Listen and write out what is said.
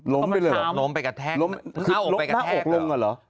ล้มไปเลยเหรอล้มไปกระแทกหน้าอกไปกระแทกเหรอ